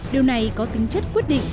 điều này có tính chất quyết định